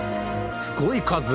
すごい数。